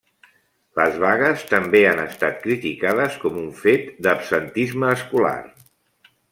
Les vagues també han estat criticades com un fet d'absentisme escolar.